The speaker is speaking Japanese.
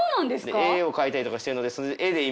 絵を描いたりとかしてるので。